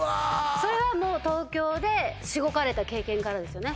それはもう東京でしごかれた経験からですよね